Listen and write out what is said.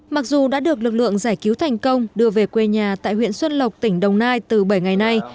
mặc dù đã được lực lượng giải cứu thành công đưa về quê nhà tại huyện xuân lộc tỉnh đồng nai từ bảy ngày nay